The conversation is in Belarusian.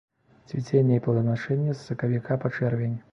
Цвіценне і плоданашэнне з сакавіка па чэрвень.